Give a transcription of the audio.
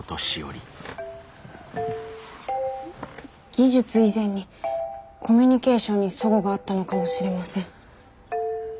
技術以前にコミュニケーションに齟齬があったのかもしれません。